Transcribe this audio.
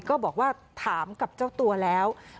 ก็บอกว่าถามกับเจ้าตัวแล้ว